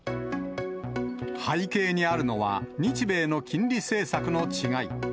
背景にあるのは、日米の金利政策の違い。